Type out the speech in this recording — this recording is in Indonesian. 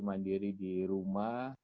mandiri di rumah